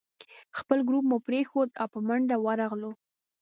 خپل ګروپ مو پرېښود او په منډه ورغلو.